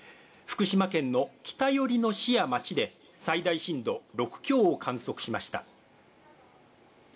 福島県の北寄りの市や町で最大震度６強を観測しました。